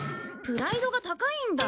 プライドが高いんだ。